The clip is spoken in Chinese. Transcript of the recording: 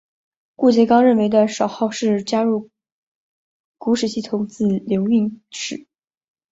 顾颉刚认为的少昊氏加入古史系统自刘歆始。